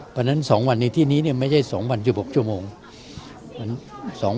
เพราะฉะนั้น๒วันในที่นี้ไม่ใช่๒วัน๑๖ชั่วโมง